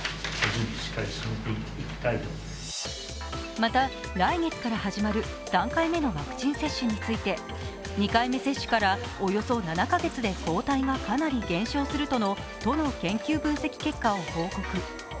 また、来月から始まる３回目のワクチン接種について２回目接種からおよそ７カ月で抗体がかなり減少するとの都の研究分析結果を報告。